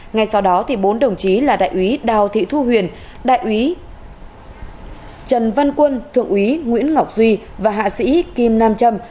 ngay sau đó bốn đồng chí là đại úy đào thị thu huyền đại úy trần văn quân thượng úy nguyễn ngọc duy và hạ sĩ kim nam trâm